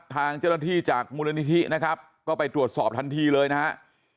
ทางเจ้าหน้าที่จากมูลนิธินะครับก็ไปตรวจสอบทันทีเลยนะฮะ